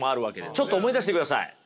ちょっと思い出してください。